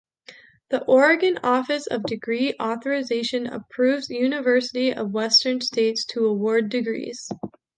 The Oregon Office of Degree Authorization approves University of Western States to award degrees.